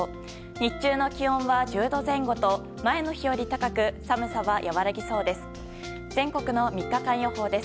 日中の気温は１０度前後と前の日より高く寒さは和らぎそうです。